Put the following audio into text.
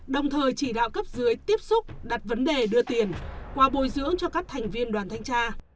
đồng thời chỉ đạo cấp dưới tiếp xúc đặt vấn đề đưa tiền qua bồi dưỡng cho các thành viên đoàn thanh tra